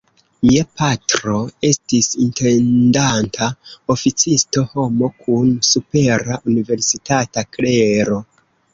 Mia patro estis intendanta oficisto, homo kun supera universitata klero.